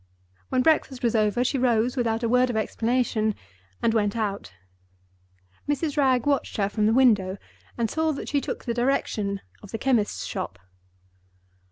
When breakfast was over, she rose, without a word of explanation, and went out. Mrs. Wragge watched her from the window and saw that she took the direction of the chemist's shop.